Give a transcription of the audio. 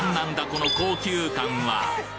この高級感は！